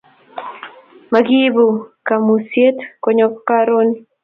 Makiibu kamuiset konyo kooroni